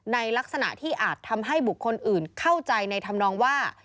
ในลักษณะที่อาจทำให้บุคคลอื่นเข้าใจในธรรมนองว่า